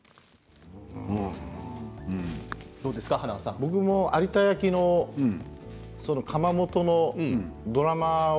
僕も有田焼の窯元のドラマを